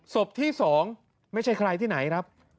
ศพที่๒ไม่ใช่ใครที่ไหนครับ